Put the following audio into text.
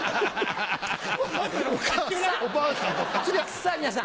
さぁ皆さん